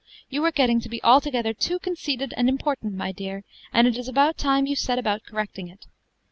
You are getting to be altogether too conceited and important, my dear, and it is about time you set about correcting it.